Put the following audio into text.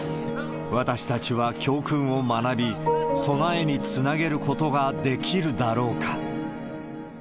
私たちは教訓を学び、備えにつなげることができるだろうか。